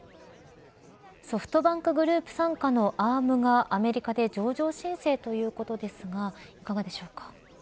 ソフトバンクグループ傘下のアームがアメリカで上場申請ということですがいかがでしょうか。